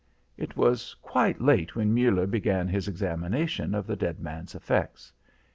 It was quite late when Muller began his examination of the dead man's effects.